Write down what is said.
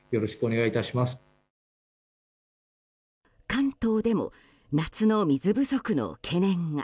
関東でも夏の水不足の懸念が。